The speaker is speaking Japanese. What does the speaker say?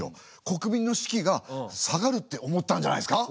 国民の士気が下がるって思ったんじゃないですか？